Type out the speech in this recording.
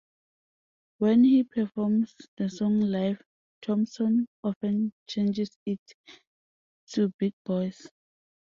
When he performs the song live, Thompson often changes it to "big boys".